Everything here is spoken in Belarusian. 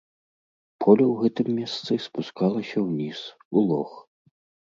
Поле ў гэтым месцы спускалася ўніз, у лог.